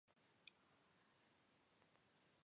მდებარეობს მდინარე ქსნის მარჯვენა მხარეზე.